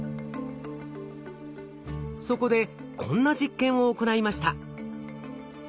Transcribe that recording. そこでこんな実験を行いました。